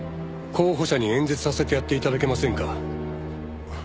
候補者に演説させてやって頂けませんか？